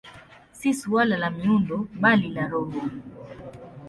Si suala la miundo, bali la roho.